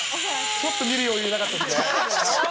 ちょっと見る余裕なかったんで。